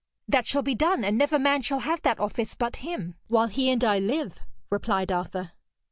'That shall be done, and never man shall have that office but him, while he and I live,' replied Arthur.